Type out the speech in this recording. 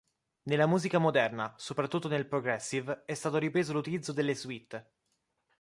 Nella musica moderna, soprattutto nel progressive, è stato ripreso l'utilizzo delle suite.